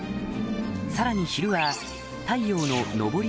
さらに昼は太陽の昇り